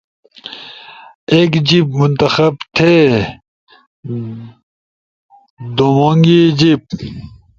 ایک جیِب منتخب تھے، دُومونگی جیِب